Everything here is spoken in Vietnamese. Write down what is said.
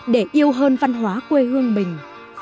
để yêu hơn văn hóa quê hương mình